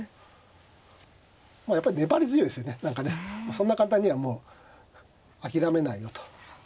そんな簡単にはもう諦めないよと。